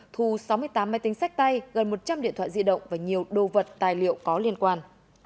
thu sáu mươi tám máy tính sách tay gần một trăm linh điện thoại di động và nhiều đồ vật tài liệu có liên quan